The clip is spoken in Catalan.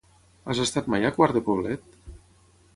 Has estat mai a Quart de Poblet?